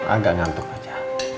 agak ngantuk aja